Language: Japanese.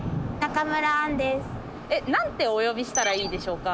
え何てお呼びしたらいいでしょうか？